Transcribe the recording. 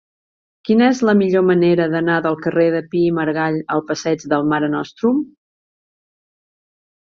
Quina és la millor manera d'anar del carrer de Pi i Margall al passeig del Mare Nostrum?